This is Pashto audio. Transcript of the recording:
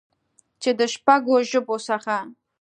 چې د شپږ ژبو څخه